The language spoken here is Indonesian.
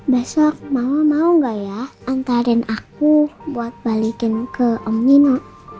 besok mama mau gak ya antarin aku buat balikin ke om nino